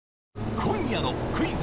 今夜の「クイズ！